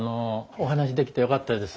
お話しできてよかったです。